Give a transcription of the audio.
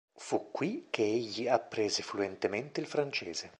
Fu qui che egli apprese fluentemente il francese.